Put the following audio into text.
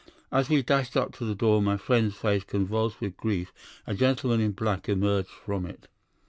As we dashed up to the door, my friend's face convulsed with grief, a gentleman in black emerged from it.